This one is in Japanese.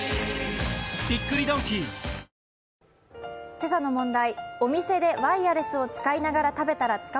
今朝の問題。